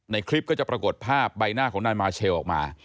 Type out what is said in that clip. คลิปก็จะปรากฏภาพใบหน้าของนายมาเชลออกมา